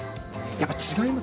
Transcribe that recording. やっぱり違います？